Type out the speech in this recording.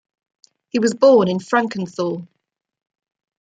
He was born in Frankenthal.